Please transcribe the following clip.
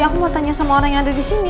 aku mau tanya sama orang yang ada di sini